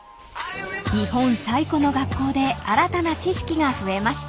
［日本最古の学校で新たな知識が増えました］